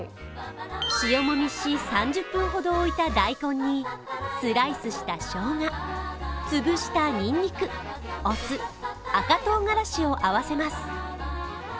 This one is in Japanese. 塩もみし、３０分ほど置いた大根にスライスしたしょうが、潰したにんにくお酢、赤唐がらしを合わせます。